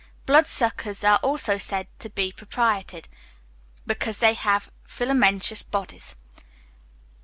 Blood suckers are also said to be propitiated, because they have filamentous bodies.